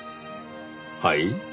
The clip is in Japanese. はい？